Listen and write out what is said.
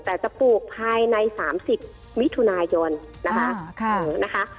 แต่จะปลูกภายในสามสิบวิทุนายนนะคะค่ะนะคะ